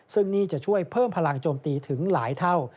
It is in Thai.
ซึ่งนี่จะช่วยเพิ่มพลังโจมตีถึงหลายเท่า